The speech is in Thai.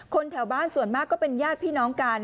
แถวบ้านส่วนมากก็เป็นญาติพี่น้องกัน